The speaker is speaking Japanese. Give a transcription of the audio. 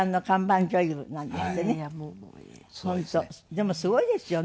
でもすごいですよね。